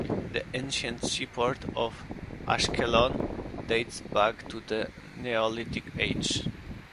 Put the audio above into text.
The ancient seaport of Ashkelon dates back to the Neolithic Age.